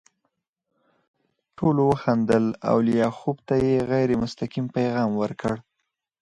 ټولو وخندل او لیاخوف ته یې غیر مستقیم پیغام ورکړ